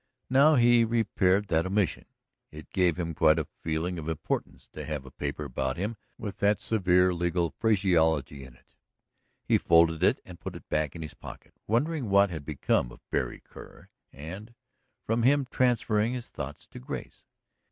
Now he repaired that omission. It gave him quite a feeling of importance to have a paper about him with that severe legal phraseology in it. He folded it and put it back in his pocket, wondering what had become of Berry Kerr, and from him transferring his thoughts to Grace.